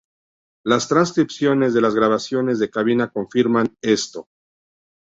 Las transcripciones de las grabaciones de cabina confirman esto.